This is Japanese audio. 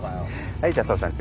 はいじゃあ寅さん